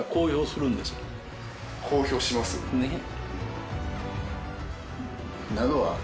ねっ。